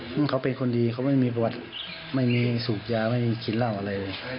เพราะเขาเป็นคนดีเขาไม่มีประวัติไม่มีสูบยาไม่มีกินเหล้าอะไรเลย